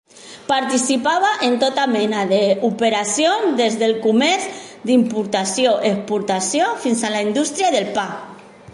Participava en tota mena d'operacions, des del comerç d'importació-exportació fins a la indústria del pa.